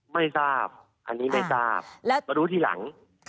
ไม่ทราบอันนี้ไม่ทราบมารู้ทีหลัง